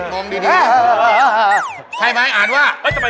ใช่ม๊ายอ่านว่ะ